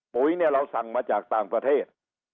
ปุ๋ยเนี่ยเราสั่งมาจากต่างประเทศ